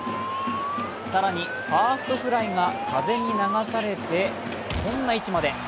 更に、ファーストフライが風に流されて、こんな位置まで。